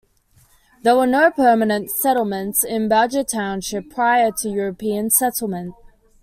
There were no permanent settlements in Badger Township prior to European settlement.